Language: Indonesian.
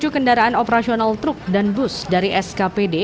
tujuh kendaraan operasional truk dan bus dari skpd